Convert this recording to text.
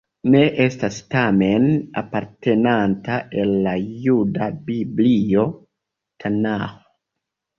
Ne estas, tamen, apartenanta al la juda Biblio Tanaĥo.